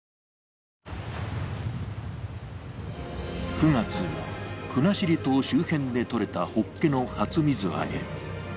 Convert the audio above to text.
９月、国後島周辺で取れたホッケの初水揚げ。